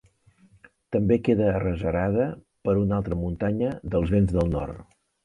També queda arrecerada per una altra muntanya dels vents del nord.